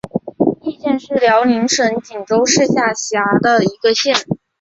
义县是辽宁省锦州市下辖的一个县。